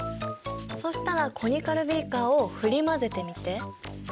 そしたらコニカルビーカーを振り混ぜてみて。